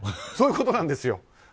そういうことなんです。